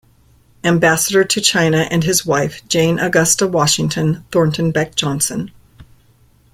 Ambassador to China and his wife Jane Augusta Washington Thornton Beck Johnson.